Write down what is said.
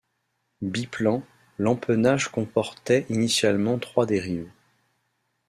Biplan, l’empennage comportait initialement trois dérives.